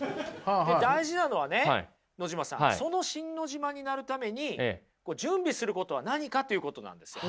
大事なのはね野島さんそのシン・ノジマになるために準備することは何かということなんですよ。